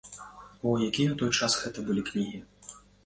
О, якія ў той час гэта былі кнігі!